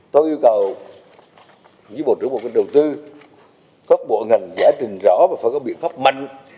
tôi yêu cầu với bộ trưởng bộ công an đầu tư các bộ ngành giả trình rõ và phải có biện pháp mạnh